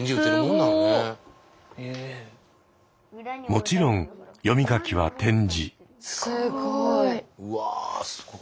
もちろん読み書きは点字。